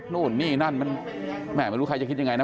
นู่นนี่นั่นไม่รู้ใครจะคิดอย่างไรนะ